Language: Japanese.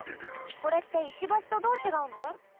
これって石橋とどうちがうの？